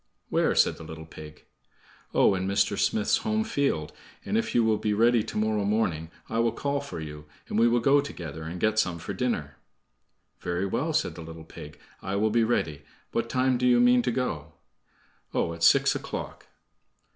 "Where?" said the little pig. "Oh, in Mr. Smith's home field, and if you will be ready to morrow morning I will call for you, and we will go together, and get some for dinner." "Very well," said the little pig, "I will be ready. What time do you mean to go?" "Oh, at six o'clock."